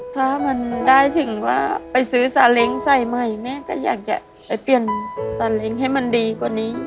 ถ้ามันได้ถึงว่าไปซื้อซาเล้งใส่ใหม่แม่ก็อยากจะไปเปลี่ยนซาเล้งให้มันดีกว่านี้